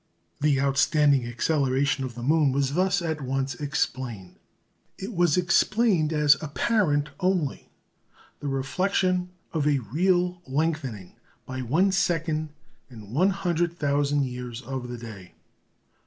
The outstanding acceleration of the moon was thus at once explained. It was explained as apparent only the reflection of a real lengthening, by one second in 100,000 years, of the day.